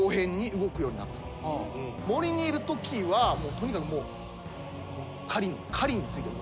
森にいるときはとにかくもう狩りについてずっと。